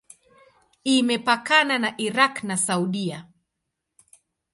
Imepakana na Irak na Saudia.